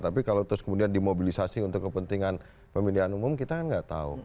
tapi kalau terus kemudian dimobilisasi untuk kepentingan pemilihan umum kita kan nggak tahu